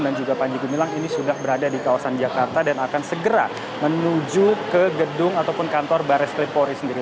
dan juga panji gumilang ini sudah berada di kawasan jakarta dan akan segera menuju ke gedung ataupun kantor barat srimpori sendiri